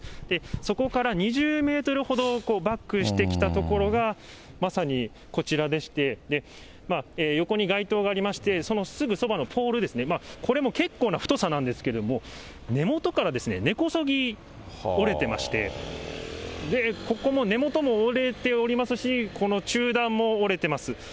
そこから２０メートルほどバックしてきた所が、まさにこちらでして、横に街灯がありまして、そのすぐそばのポールですね、これも結構な太さなんですけれども、根元から根こそぎ折れてまして、ここも根元も折れておりますし、この中段も折れてます。